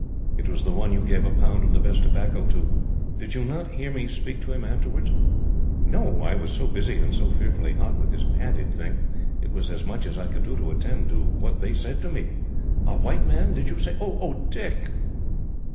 "It was the one you gave a pound of the best tobacco to. Did you not hear me speak to him, afterwards?" "No. I was so busy, and so fearfully hot with this padded thing, it was as much as I could do to attend to what they said to me. A white man, did you say? Oh, Dick!"